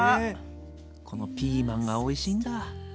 このピーマンがおいしいんだ。